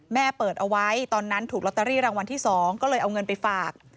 เปิดเอาไว้ตอนนั้นถูกลอตเตอรี่รางวัลที่๒ก็เลยเอาเงินไปฝาก